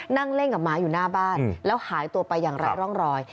นั่งเล่นกับหมาอยู่หน้าบ้านแล้วหายตัวไปอย่างไร้ร่องรอย